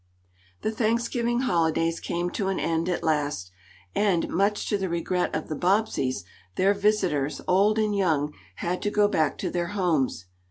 The Thanksgiving holidays came to an end at last and, much to the regret of the Bobbseys, their visitors, old and young, had to go back to their homes.